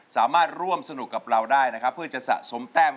สามารถร่วมสนุกกับเราได้นะครับเพื่อจะสะสมแต้ม